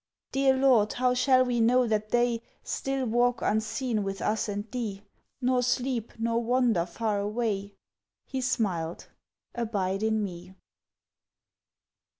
"Dear Lord, how shall we know that they Still walk unseen with us and Thee, Nor sleep, nor wander far away?" He smiled: "Abide in Me."